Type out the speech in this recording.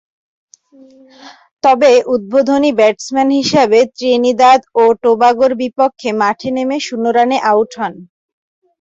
তবে, উদ্বোধনী ব্যাটসম্যান হিসেবে ত্রিনিদাদ ও টোবাগোর বিপক্ষে মাঠে নেমে শূন্য রানে আউট হন।